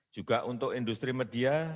juga untuk industri media